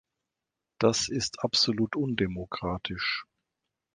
Das ist absolut undemokratisch.